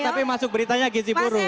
tapi masuk beritanya gizi burung